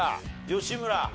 吉村